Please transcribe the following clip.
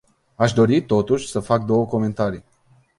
Aș dori, totuși, să fac două comentarii.